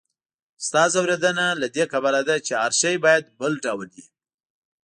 ستا ځوریدنه له دې کبله ده، چې هر شی باید بل ډول وي.